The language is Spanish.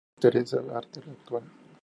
Ex Teresa Arte Actual.